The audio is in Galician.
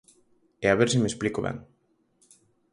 E a ver se me explico ben.